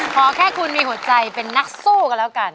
ขอแค่คุณมีหัวใจเป็นนักสู้กันแล้วกัน